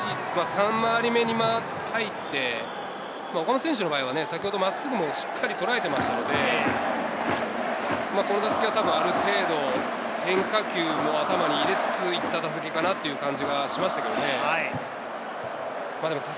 ３回り目に入って、岡本選手の場合は先ほど真っすぐもしっかり捉えていましたので、この打席はたぶんある程度、変化球を頭にいれつつ行った打席かなという感じがしましたけどね。